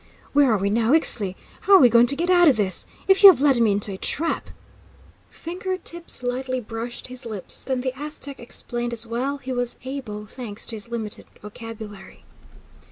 "Where are we now, Ixtli? How are we going to get out of this? If you have led me into a trap " Finger tips lightly brushed his lips, then the Aztec explained as well he was able, thanks to his limited vocabulary.